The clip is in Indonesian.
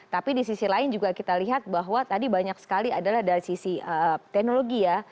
tapi di sisi lain juga kita lihat bahwa tadi banyak sekali adalah dari sisi teknologi ya